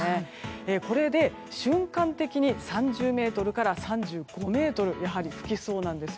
これで、瞬間的に３０メートルから３５メートルやはり吹きそうなんですよ。